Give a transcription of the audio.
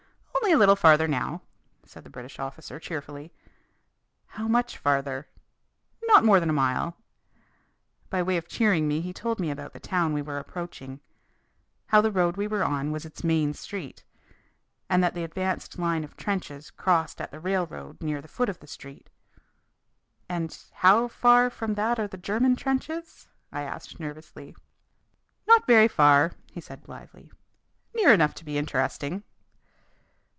"Only a little farther now," said the British officer cheerfully. "How much farther?" "Not more than a mile," By way of cheering me he told me about the town we were approaching how the road we were on was its main street, and that the advanced line of trenches crossed at the railroad near the foot of the street. "And how far from that are the German trenches?" I asked nervously. "Not very far," he said blithely. "Near enough to be interesting."